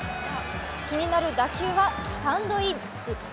気になる打球はスタンドイン。